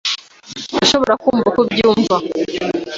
Ndashobora kumva uko ubyumva.